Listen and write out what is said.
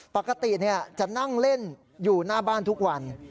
ปกติจะนั่งเล่นอยู่หน้าบ้านทุกวัน